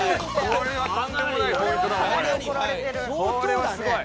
これはすごい。